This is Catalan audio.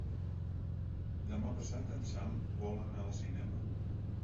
Demà passat en Sam vol anar al cinema.